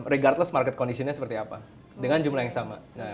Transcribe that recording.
regardless market conditionnya seperti apa dengan jumlah yang sama